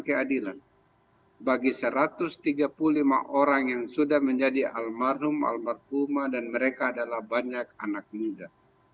keadilan bagi satu ratus tiga puluh lima orang yang sudah menjadi almarhum almarhumah dan mereka adalah banyak anak muda